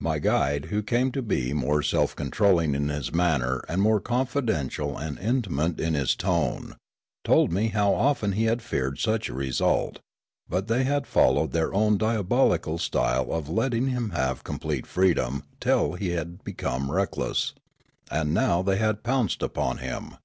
My guide, who came to be more self controlling in his manner and more confidential and intimate in his tone, told me how often he had feared such a result ; but they had followed their own diabolical style of letting him have complete freedom till he had become reckless, and now the}' had pounced upon him.